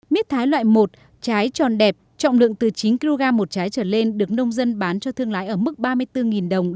miết thái loại một trái tròn đẹp trọng lượng từ chín kg một trái trở lên được nông dân bán cho thương lái ở mức ba mươi bốn đồng đến ba mươi sáu đồng một kg